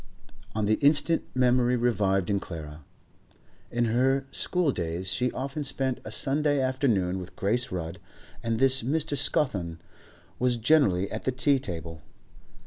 On the instant memory revived in Clara. In her schooldays she often spent a Sunday afternoon with Grace Rudd, and this Mr. Scawthorne was generally at the tea table.